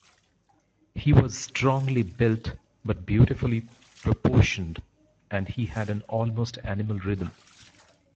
He was strongly built but beautifully proportioned and he had an almost animal rhythm.